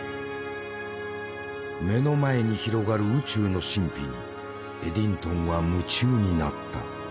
目の前に広がる宇宙の神秘にエディントンは夢中になった。